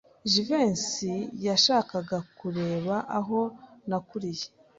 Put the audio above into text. Jivency yashakaga kureba aho nakuriye.